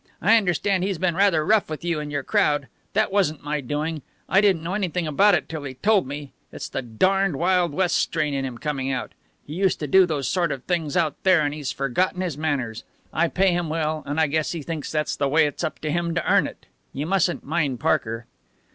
I understand he's been rather rough with you and your crowd. That wasn't my doing. I didn't know anything about it till he told me. It's the darned Wild West strain in him coming out. He used to do those sort of things out there, and he's forgotten his manners. I pay him well, and I guess he thinks that's the way it's up to him to earn it. You mustn't mind Parker."